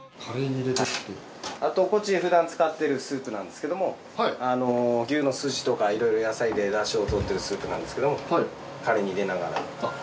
あとこっちふだん使ってるスープなんですけども牛のスジとかいろいろ野菜で出汁をとってるスープなんですけどもカレーに入れながら。